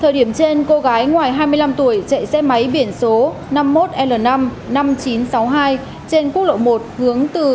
thời điểm trên cô gái ngoài hai mươi năm tuổi chạy xe máy biển số năm mươi một l năm năm nghìn chín trăm sáu mươi hai trên quốc lộ một hướng từ